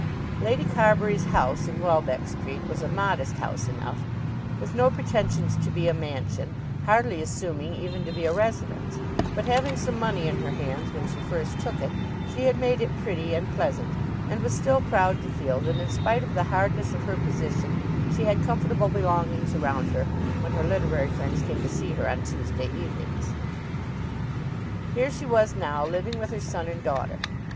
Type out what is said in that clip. Lady Carbury's house in Welbeck Street was a modest house enough, with no pretensions to be a mansion, hardly assuming even to be a residence; but, having some money in her hands when she first took it, she had made it pretty and pleasant, and was still proud to feel that in spite of the hardness of her position she had comfortable belongings around her when her literary friends came to see her on her Tuesday evenings. Here she was now living with her son and daughter.